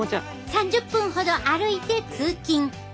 ３０分ほど歩いて通勤。